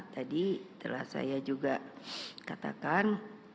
tadi telah saya juga katakan